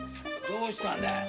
どうしたんだよ！